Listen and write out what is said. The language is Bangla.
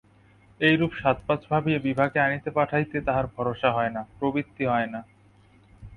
এইরূপ সাত-পাঁচ ভাবিয়া বিভাকে আনিতে পাঠাইতে তাঁহার ভরসা হয় না, প্রবৃত্তি হয় না।